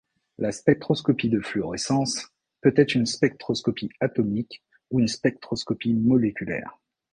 La spectroscopie de fluorescence peut être une spectroscopie atomique ou une spectroscopie moléculaire.